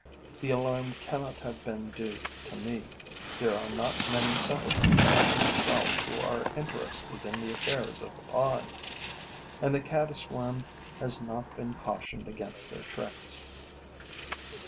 The alarm cannot have been due to me: there are not many simpletons like myself who are interested in the affairs of the pond; and the caddis worm has not been cautioned against their tricks.